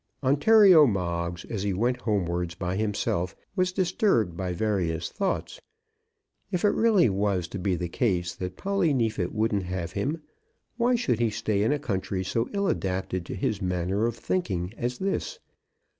Ontario Moggs, as he went homewards by himself, was disturbed by various thoughts. If it really was to be the case that Polly Neefit wouldn't have him, why should he stay in a country so ill adapted to his manner of thinking as this?